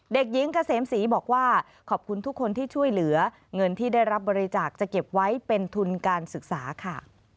เด็กหญิงเกษมศรีบอกว่าขอบคุณทุกคนที่ช่วยเหลือเงินที่ได้รับบริจาคจะเก็บไว้เป็นทุนการศึกษาค่ะ